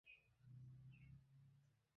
কী আপনার আসল পরিচয়!